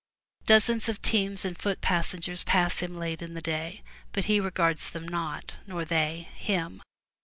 Dozens of teams and foot passengers pass him late in the day, but he regards them not, nor they him.